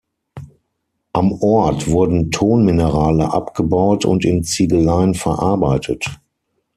Am Ort wurden Tonminerale abgebaut und in Ziegeleien verarbeitet.